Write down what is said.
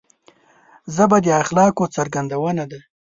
ژبه د اخلاقو څرګندونه ده